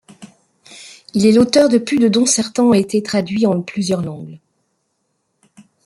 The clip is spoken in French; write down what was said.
Il est l'auteur de plus de dont certains ont été traduits en plusieurs langues.